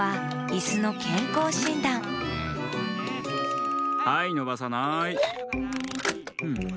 だんはいのばさない。